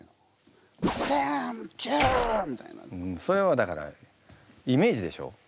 それはだからイメージでしょ。